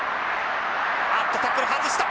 あっとタックル外した！